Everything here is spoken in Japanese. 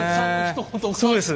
そうです。